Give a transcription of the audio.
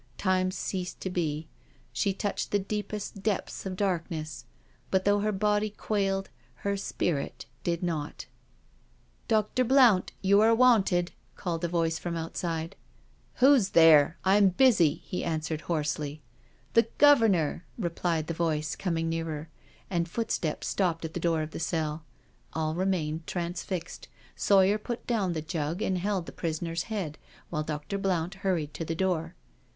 Time ceased to be. She touched the deepest depths of darkness. But though her body quailed, her spirit did not. "Dr. Blount, you are wanted," called a voice out side. " Who is there? I'm busy," he answered hoarsely. " The Governor I " replied the voice, coming nearer, and footsteps stopped at the door of the cell. All remained transfixed. Sawyer put down the jug and held the prisoner's head, while Dr. Blount hurried to the door.